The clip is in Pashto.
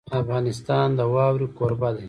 افغانستان د واوره کوربه دی.